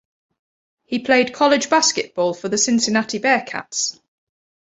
He played college basketball for the Cincinnati Bearcats.